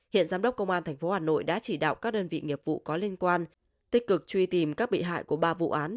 hiện giám đốc công an tp hà nội đã chỉ đạo các đơn vị nghiệp vụ có liên quan tích cực truy tìm các bị hại của ba vụ án